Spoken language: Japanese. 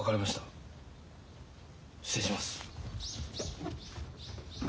失礼します。